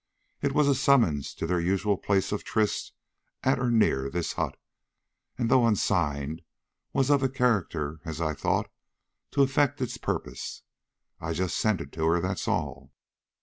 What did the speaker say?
It was a summons to their usual place of tryst at or near this hut, and though unsigned, was of a character, as I thought, to effect its purpose. I just sent it to her, that's all."